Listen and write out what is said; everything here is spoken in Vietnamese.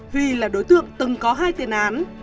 huy là đối tượng từng có hai tiền án